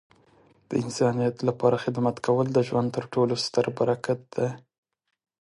د انسانیت لپاره خدمت کول د ژوند تر ټولو ستره برکت دی.